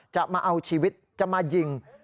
จะมาเอาชีวิตจะมายิง